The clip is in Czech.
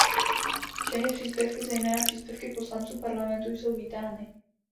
Všechny příspěvky, zejména příspěvky poslanců Parlamentu, jsou vítány.